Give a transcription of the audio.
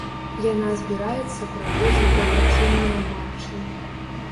Яна збіраецца праводзіць дабрачынныя матчы.